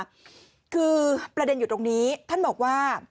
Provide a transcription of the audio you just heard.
คือประเด็นอยู่ตรงนี้ท่านบอกว่า